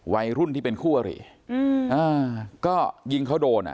วัยรุ่นที่เป็นคู่อริอืมอ่าก็ยิงเขาโดนอ่ะ